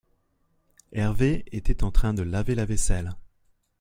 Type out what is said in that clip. Herve était en train de laver la vaisselle.